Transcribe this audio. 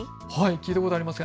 聞いたことありません。